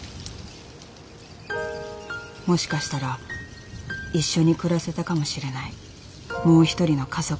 もしかしたら一緒に暮らせたかもしれないもう一人の家族。